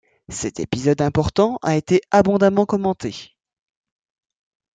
Cet épisode important a été abondamment commenté.